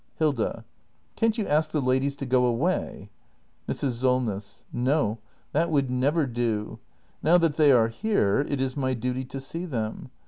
Hilda. Can't you ask the ladies to go away ? Mrs. Solness. No, that would never do. Now that they are here, it is my duty to see them.